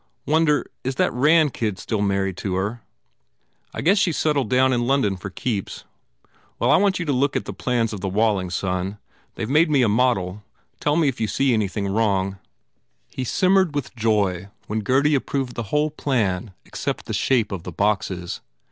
Wonder, is that Rand kid still married to her? Is? I guess she s settled down in London for keeps. Well, I want you to look at the plans of the Walling, son. They ve made me a model. Tell me if you see anything wrong." He simmered with joy when Gurdy approved the whole plan except the shape of the boxes.